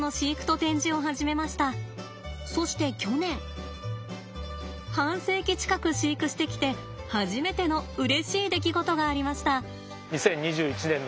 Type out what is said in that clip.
そして去年半世紀近く飼育してきて初めてのうれしい出来事がありました。